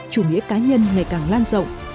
chủ nghĩa cá nhân ngày càng lan rộng